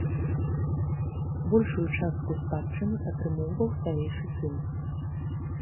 Большую частку спадчыны атрымоўваў старэйшы сын.